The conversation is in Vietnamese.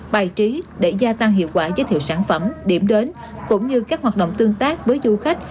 bài trí để gia tăng hiệu quả giới thiệu sản phẩm điểm đến cũng như các hoạt động tương tác với du khách